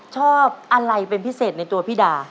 ชอบอะไรเป็นพิเศษในตัวพี่ดา